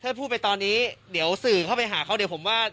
เป็นประโยชน์กับคดีครับเป็นประโยชน์กับคดีนะครับ